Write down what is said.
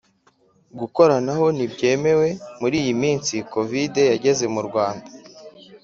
Gukoranaho ntibyemewe muri iyi minsi covid yageze mu Rwanda